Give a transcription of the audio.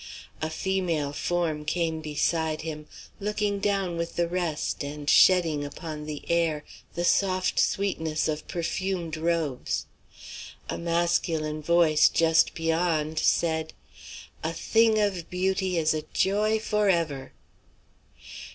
A female form came beside him, looking down with the rest and shedding upon the air the soft sweetness of perfumed robes. A masculine voice, just beyond, said: "A thing of beauty is a joy forever."